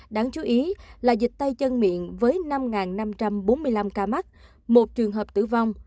đáng chú ý là dịch tay chân miệng với năm năm trăm bốn mươi năm ca mắc một trường hợp tử vong